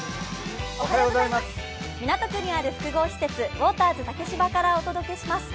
港区にある複合施設、ウォーターズ竹芝からお届けします。